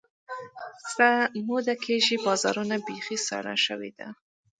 څه موده کېږي، بازارونه بیخي ساړه شوي دي.